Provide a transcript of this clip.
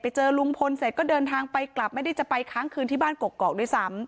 เจอลุงพลเสร็จก็เดินทางไปกลับไม่ได้จะไปค้างคืนที่บ้านกกอกด้วยซ้ำ